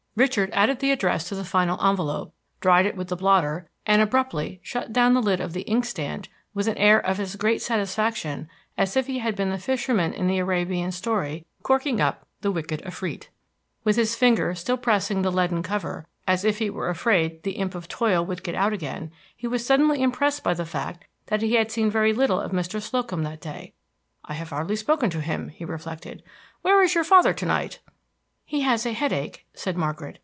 Richard added the address to the final envelope, dried it with the blotter, and abruptly shut down the lid of the inkstand with an air of as great satisfaction as if he had been the fisherman in the Arabian story corking up the wicked afrite. With his finger still pressing the leaden cover, as though he were afraid the imp of toil would get out again, he was suddenly impressed by the fact that he had seen very little of Mr. Slocum that day. "I have hardly spoken to him," he reflected. "Where is your father, to night?" "He has a headache," said Margaret.